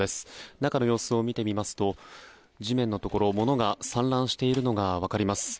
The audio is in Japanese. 中の様子を見てみますと地面のところ物が散乱しているのが分かります。